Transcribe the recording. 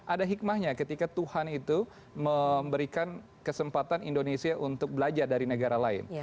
ada hikmahnya ketika tuhan itu memberikan kesempatan indonesia untuk belajar dari negara lain